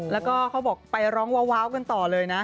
แล้วก็เขาบอกไปร้องว้าวกันต่อเลยนะ